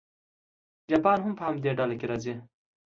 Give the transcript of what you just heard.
جاپان هم په همدې ډله کې راځي.